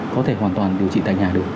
có thể hoàn toàn điều trị tại nhà được